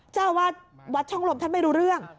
เจ้าวาดวัดช่องลมท่านไม่รู้เรื่อง